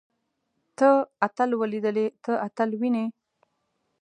تۀ اتل وليدلې. ته اتل وينې؟